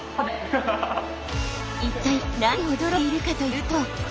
一体何に驚いているかというと。